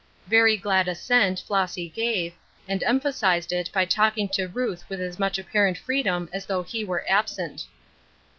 Very glad assent. Flossy gave, and emphasized it by talking to Ruth with as much apparent freedom as though he were absent.